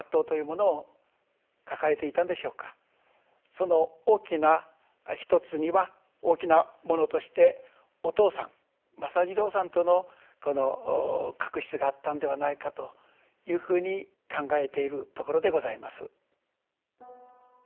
その大きなひとつには大きなものとしてお父さん政次郎さんとのこの確執があったんではないかというふうに考えているところでございます。